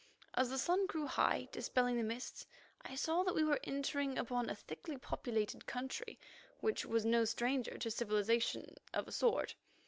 As the sun grew high, dispelling the mists, I saw that we were entering upon a thickly populated country which was no stranger to civilization of a sort.